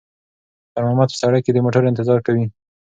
خیر محمد په سړک کې د موټرو انتظار کوي.